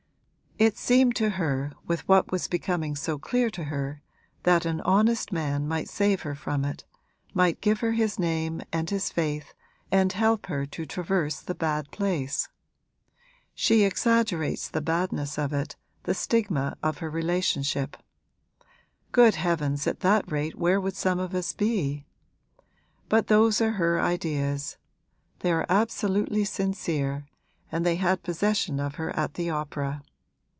'It seemed to her, with what was becoming so clear to her, that an honest man might save her from it, might give her his name and his faith and help her to traverse the bad place. She exaggerates the badness of it, the stigma of her relationship. Good heavens, at that rate where would some of us be? But those are her ideas, they are absolutely sincere, and they had possession of her at the opera.